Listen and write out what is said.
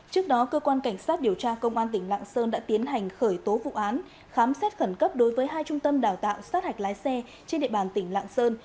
trước đó cơ quan cảnh sát điều tra công an tỉnh lạng sơn đã tiến hành khởi tố vụ án khám xét khẩn cấp đối với hai trung tâm đào tạo sát hạch lái xe trên địa bàn tỉnh lạng sơn